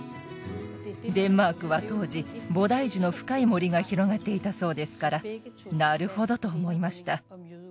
デンマークは当時ボダイジュの深い森が広がっていたそうですからなるほどと思いました。